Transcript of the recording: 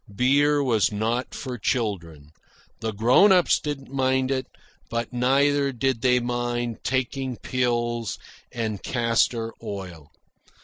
Beer was not for children. The grown ups didn't mind it; but neither did they mind taking pills and castor oil.